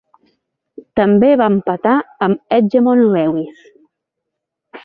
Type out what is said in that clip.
També va empatar amb Hedgemon Lewis.